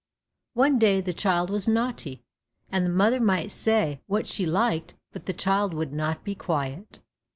One day the child was naughty, and the mother might say what she liked, but the child would not be quiet.